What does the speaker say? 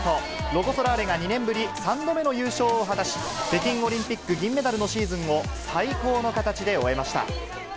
ロコ・ソラーレが、２年ぶり３度目の優勝を果たし、北京オリンピック銀メダルのシーズンを最高の形で終えました。